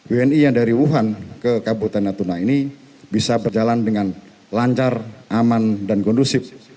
wni yang dari wuhan ke kabupaten natuna ini bisa berjalan dengan lancar aman dan kondusif